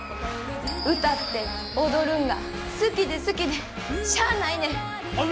歌って踊るんが好きで好きでしゃあないねん。